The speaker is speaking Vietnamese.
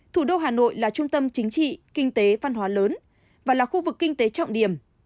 thủ đô hà nội là trung tâm chính trị kinh tế văn hóa lớn và là khu vực kinh tế trọng điểm